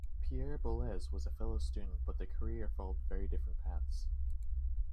Pierre Boulez was a fellow student but their careers followed very different paths.